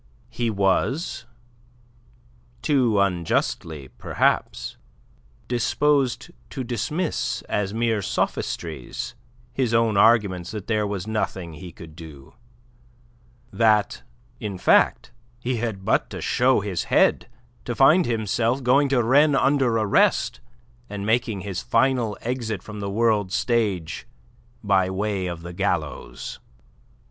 He was too unjustly, perhaps disposed to dismiss as mere sophistries his own arguments that there was nothing he could do; that, in fact, he had but to show his head to find himself going to Rennes under arrest and making his final exit from the world's stage by way of the gallows.